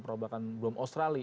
atau bahkan belum australia